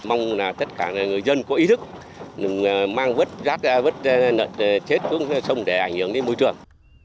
mong là tất cả người dân có ý thức mang vứt rác ra vứt chết xuống sông để ảnh hưởng đến môi trường